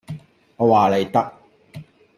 我話你得